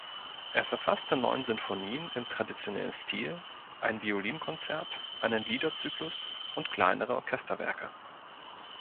Er verfasste neun Sinfonien im traditionellen Stil, ein Violinkonzert, einen Liederzyklus und kleinere Orchesterwerke.